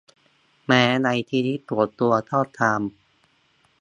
แม้ในชีวิตส่วนตัวก็ตาม